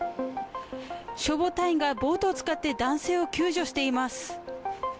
消防隊員がボートを使って男性を救助しています。